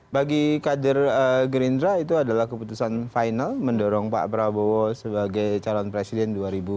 bagi kader gerindra itu adalah keputusan final mendorong pak prabowo sebagai calon presiden dua ribu dua puluh